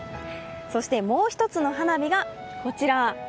そしてもう一つの花火がこちら。